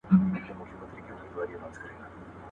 چي تېغ چلېږي، وينه بهېږي.